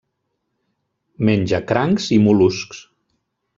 Menja crancs i mol·luscs.